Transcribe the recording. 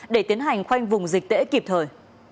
để tiến hành khoanh vùng dịch tễ kịp thời